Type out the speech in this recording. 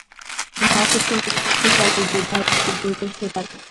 না কি তুমি শক্তিশালী বিধায় গোজো সাতোরু?